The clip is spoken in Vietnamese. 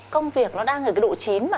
công việc nó đang ở cái độ chín mà